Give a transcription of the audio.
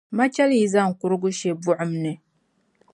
Machɛle yi zaŋ kurigu she buɣim ni.